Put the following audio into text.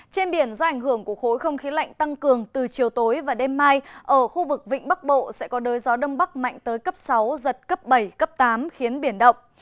trên biển do ảnh hưởng của khối không khí lạnh tăng cường từ chiều tối và đêm mai ở khu vực vịnh bắc bộ sẽ có đới gió đông bắc mạnh tới cấp sáu giật cấp bảy cấp tám khiến biển động